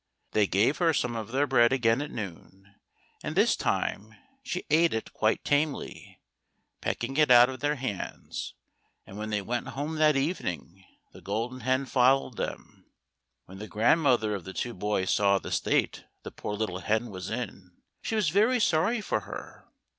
They gave her some of their bread again at noon, and this time she eat it quite tamely, pecking it out of their hands, and when they went home that evening the Golden Hen followed them. When the grandmother of the two boys saw the state the poor little hen was in, she was very sorry for her.